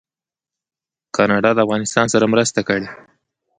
کاناډا د افغانستان سره مرسته کړې.